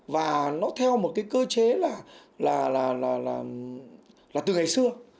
và nó theo một cái cơ chế là từ ngày xưa